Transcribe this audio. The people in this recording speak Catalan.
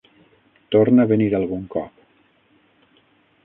Torna a venir algun cop.